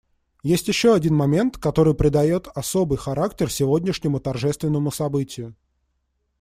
Есть еще один момент, который придает особый характер сегодняшнему торжественному событию.